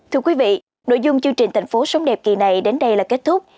thưa quý vị nội dung chương trình thành phố sống đẹp kỳ này đến đây là kết thúc